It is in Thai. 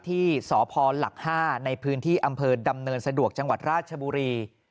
ที่สพหลัก๕ในพื้นที่อำเภอดำเนินสะดวกจังหวัดราชบุรี